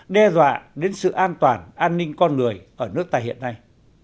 đe dọa đến sự an toàn an ninh con người ở nước ta hiện nay